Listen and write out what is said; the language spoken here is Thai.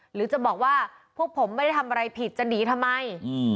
หรือจะบอกว่าพวกผมไม่ได้ทำอะไรผิดจะหนีทำไม